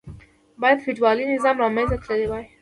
باید فیوډالي نظام له منځه تللی وای.